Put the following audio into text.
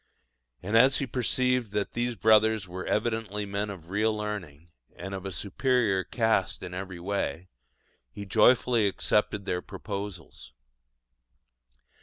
And as he perceived that these brothers were evidently men of real learning, and of a superior cast in every way, he joyfully accepted their proposals.